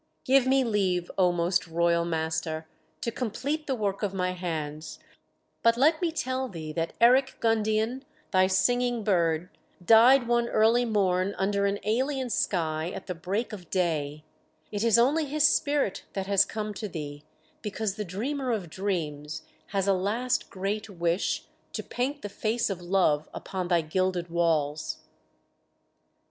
"Give me leave, O most royal master, to complete the work of my hands; but let me tell thee that Eric Gundian, thy singing bird, died one early morn under an alien sky at the break of day it is only his spirit that has come to thee, because the Dreamer of Dreams has a last great wish to paint the face of love upon thy gilded walls!"